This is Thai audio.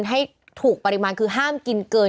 ให้ถูกปริมาณคือห้ามกินเกิน